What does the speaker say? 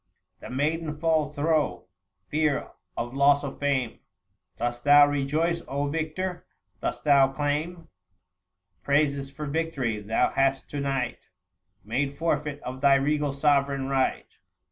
860 The maiden falls thro' fear of loss of fame. Dost thou rejoice, Victor !— dost thou claim Praises for victory ? Thou hast to night Made forfeit of thy regal sovereign right.